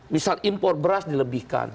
misal impor beras dilebihkan